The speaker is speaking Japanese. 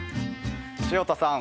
潮田さん